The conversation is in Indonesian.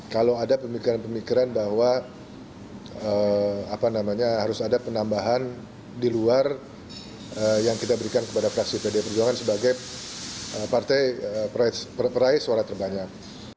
kalau ada pemikiran pemikiran bahwa harus ada penambahan di luar yang kita berikan kepada fraksi pd perjuangan sebagai partai peraih suara terbanyak